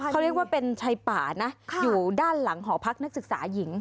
เขาเรียกว่าเป็นชายป่านะอยู่ด้านหลังหอพักนักศึกษาหญิง